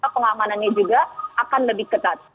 pengamanannya juga akan lebih ketat